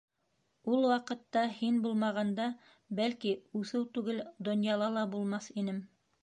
Ул ваҡытта һин булмағанда, бәлки, үҫеү түгел, донъяла ла булмаҫ инем.